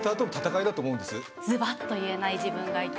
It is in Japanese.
ずばっと言えない自分がいて。